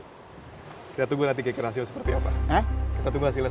kita tunggu nanti kekerasan seperti apa